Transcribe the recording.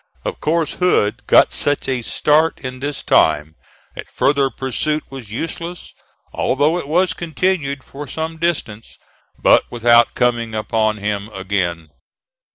Of course Hood got such a start in this time that farther pursuit was useless, although it was continued for some distance, but without coming upon him again.